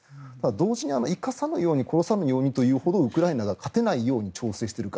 同時に生かさぬように殺さぬようにというほどウクライナが勝てないように調整しているか。